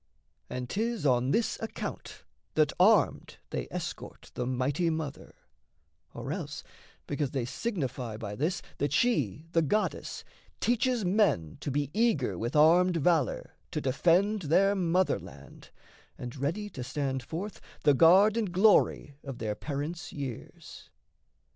And 'tis on this account That armed they escort the mighty Mother, Or else because they signify by this That she, the goddess, teaches men to be Eager with armed valour to defend Their motherland, and ready to stand forth, The guard and glory of their parents' years.